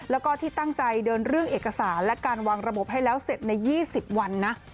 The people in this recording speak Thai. แล้วก็ที่ตั้งใจเดินเรื่องเอกสารและการวางระบบให้แล้วเสร็จใน๒๐วันนะ